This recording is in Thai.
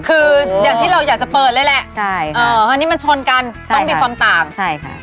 คืออย่างที่เราอยากจะเปิดเลยแหละใช่เอ่ออันนี้มันชนกันใช่ต้องมีความต่างใช่ค่ะ